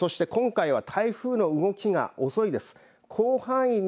そして、今回は台風の動きが遅いです。